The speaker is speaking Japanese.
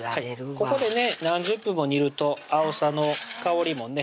ここで何十分も煮るとあおさの香りもね